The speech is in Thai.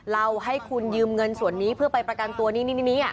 เราให้คุณยืมเงินส่วนนี้เพื่อไปประกันตัวนี่